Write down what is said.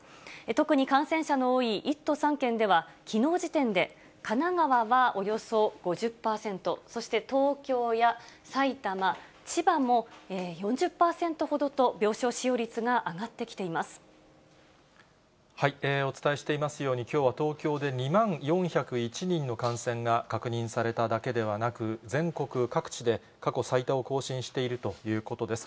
特に感染者の多い１都３県では、きのう時点で神奈川はおよそ５０％、そして東京や埼玉、千葉も４０％ほどと、病床使用率が上がってきお伝えしていますように、きょうは東京で２万４０１人の感染が確認されただけではなく、全国各地で過去最多を更新しているということです。